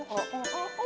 oh oh oh oh masa depan